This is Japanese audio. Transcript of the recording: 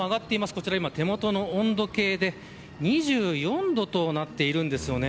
こちら手元の温度計で２４度となっているんですよね。